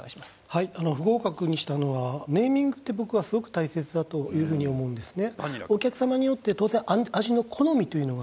はい不合格にしたのはネーミングって僕はすごく大切だというふうに思うんですね